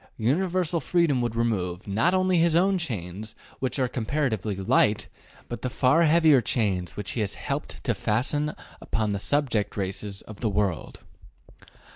Universal freedom would remove, not only his own chains, which are comparatively light, but the far heavier chains which he has helped to fasten upon the subject races of the world.